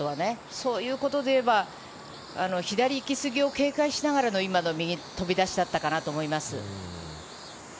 そういうことで言えば左行き過ぎを警戒しながらの今の右飛び出しだったかなと思います。